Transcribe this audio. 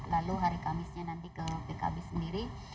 lalu hari kamisnya nanti ke pkb sendiri